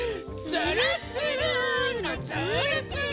つるっつるーのつーるつる！